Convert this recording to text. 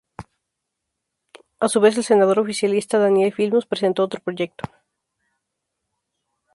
A su vez el senador oficialista Daniel Filmus presentó otro proyecto.